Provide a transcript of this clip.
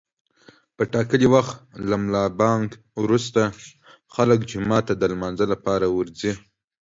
په ټاکلي وخت له ملابانګ روسته خلک جومات ته د لمانځه لپاره ورځي.